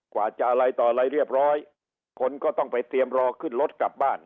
กว่าจะอะไรต่ออะไรเรียบร้อยคนก็ต้องไปเตรียมรอขึ้นรถกลับบ้าน